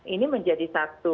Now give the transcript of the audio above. ini menjadi satu